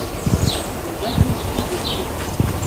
Kemm d aḥric seg wugur.